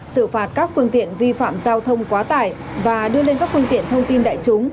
xử phạt các phương tiện vi phạm giao thông quá tải và đưa lên các phương tiện thông tin đại chúng